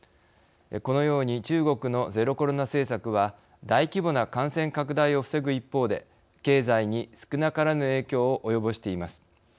このように中国のゼロコロナ政策は大規模な感染拡大を防ぐ一方で経済に少なからぬ影響を及ぼしています。